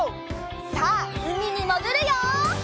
さあうみにもぐるよ！